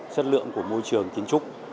chất lượng của môi trường kiến trúc